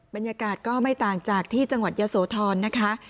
บรรยากาศก็ไม่ต่างจากที่จังหวัดยะโสธรนะคะ